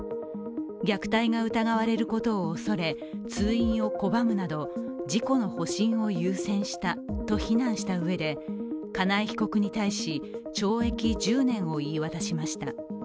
虐待が疑われることを恐れ通院を拒むなど自己の保身を優先したと非難したうえで金井被告に対し懲役１０年を言い渡しました。